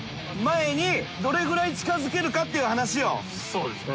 そうですね。